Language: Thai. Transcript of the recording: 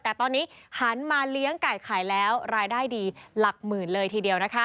แต่ตอนนี้หันมาเลี้ยงไก่ไข่แล้วรายได้ดีหลักหมื่นเลยทีเดียวนะคะ